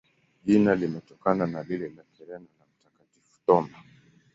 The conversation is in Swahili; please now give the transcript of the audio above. Jina limetokana na lile la Kireno la Mtakatifu Thoma.